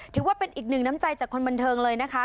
ถือว่าเป็นอีกหนึ่งน้ำใจจากคนบันเทิงเลยนะคะ